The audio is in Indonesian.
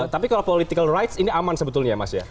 tapi kalau political rights ini aman sebetulnya ya mas ya